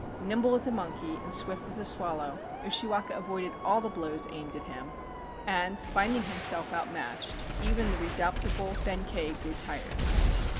Nimble as a monkey and swift as a swallow, Ushiwaka avoided all the blows aimed at him, and, finding himself outmatched, even the redoubtable Benkei grew tired.